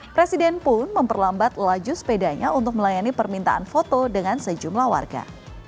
presiden pun memperlambat laju sepedanya untuk melayani permintaan foto dengan sejumlah warga